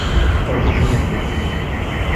Ez jinekê dibînim.